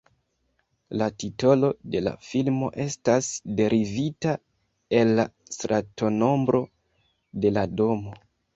La titolo de la filmo estas derivita el la stratonombro de la domo.